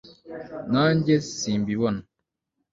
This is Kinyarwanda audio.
nanjye simbibona